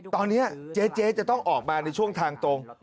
ตอนนี้เจ๊จะต้องออกมาในช่วงทางตรง